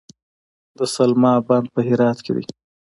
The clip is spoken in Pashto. د سلما بند په هرات کې دی